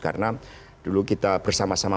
karena dulu kita bersama sama